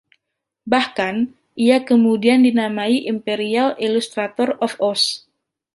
Bahkan, ia kemudian dinamai Imperial Illustrator of Oz.